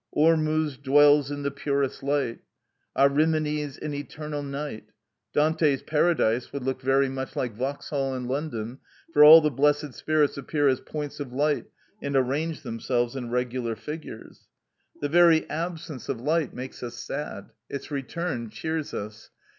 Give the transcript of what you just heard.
Ormuzd dwells in the purest light, Ahrimines in eternal night. Dante's Paradise would look very much like Vauxhall in London, for all the blessed spirits appear as points of light and arrange themselves in regular figures. The very absence of light makes us sad; its return cheers us.